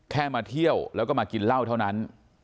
แค่มาเที่ยวแล้วก็มากินเหล้าเท่านั้น